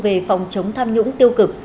chống tham nhũng tiêu cực